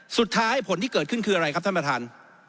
ผลที่เกิดขึ้นคืออะไรครับท่านประธาน